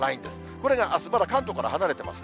これがあす、まだ関東から離れてますね。